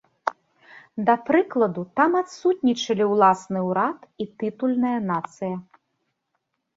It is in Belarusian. Да прыкладу там адсутнічалі ўласны ўрад і тытульная нацыя.